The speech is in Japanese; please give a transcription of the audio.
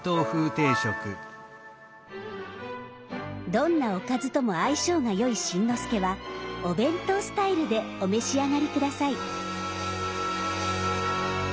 どんなおかずとも相性が良い新之助はお弁当スタイルでお召し上がり下さい。